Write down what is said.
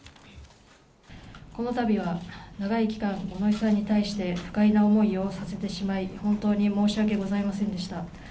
このたびは長い期間、五ノ井さんに対して不快な思いをさせてしまい、本当に申し訳ございませんでした。